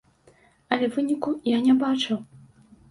Але выніку я не бачыў.